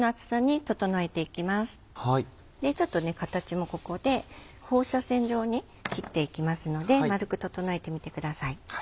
形もここで放射線状に切っていきますので丸く整えてみてください。